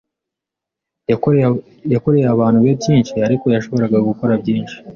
Yakoreye abantu be byinshi, ariko yashoboraga gukora byinshi.